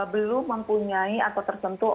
belum mempunyai atau tersentuh